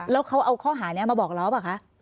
แล้วเขาเอาข้อหานี้มาบอกล้อเปล่าคะ